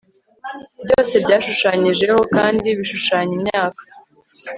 Byose byashushanyijeho kandi bishushanya imyaka